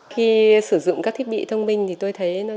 khi sử dụng các thiết bị thông minh tôi thấy rất là tốt